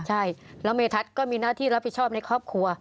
ใช่แล้วเมทัศน์ก็มีหน้าที่รับผิดชอบในครอบครัว